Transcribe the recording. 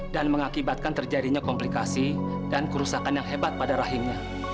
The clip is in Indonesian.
mengakibatkan terjadinya komplikasi dan kerusakan yang hebat pada rahimnya